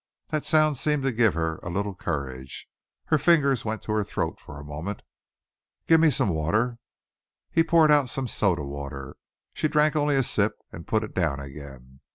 The sound seemed to give her a little courage. Her fingers went to her throat for a moment. "Give me some water." He poured out some soda water. She drank only a sip and put it down again.